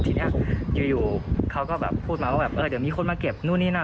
ทีนี้อยู่เขาก็แบบพูดมาว่าแบบเออเดี๋ยวมีคนมาเก็บนู่นนี่นั่น